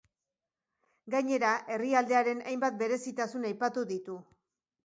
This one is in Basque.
Gainera, herrialdearen hainbat berezitasun aipatu ditu.